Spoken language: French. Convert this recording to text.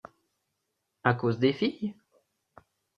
À cause des filles..?